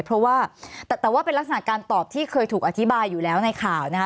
เพราะว่าแต่ว่าเป็นลักษณะการตอบที่เคยถูกอธิบายอยู่แล้วในข่าวนะคะ